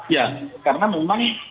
ya karena memang